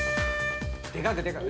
でかくでかく。